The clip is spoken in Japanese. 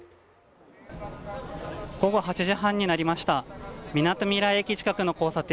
午後８時半になりましたみなとみらい駅近くの交差点。